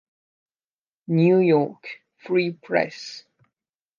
New York: Free press.